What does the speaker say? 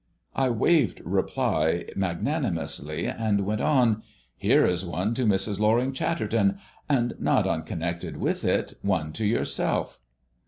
I waived reply magnanimously, and went on. "Here is one to Mrs. Loring Chatterton; and not unconnected with it, one to yourself."